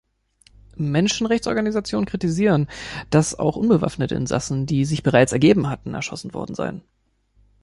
Menschenrechtsorganisationen kritisieren, dass auch unbewaffnete Insassen, die sich bereits ergeben hatten, erschossen worden seien.